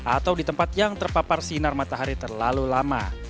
atau di tempat yang terpapar sinar matahari terlalu lama